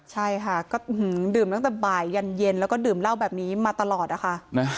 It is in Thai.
ใช่ค่ะก็ดื่มตั้งแต่บ่ายยันเย็นแล้วก็ดื่มเหล้าแบบนี้มาตลอดนะคะ